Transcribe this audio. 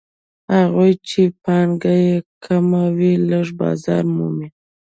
هغوی چې پانګه یې کمه وي لږ بازار مومي